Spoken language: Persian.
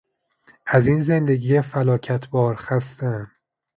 از این زندگی فلاکت بار خستهام.